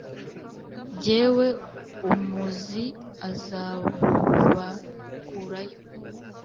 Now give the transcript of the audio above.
jyewe umuzi azabakurayo.